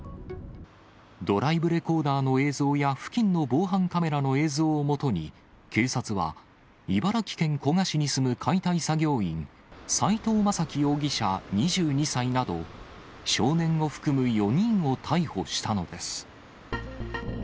ドライブレコーダーの映像や付近の防犯カメラの映像をもとに、警察は茨城県古河市に住む解体作業員、斉藤雅樹容疑者２２歳など、少年を含む４人を逮捕したのです。